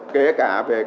kể cả về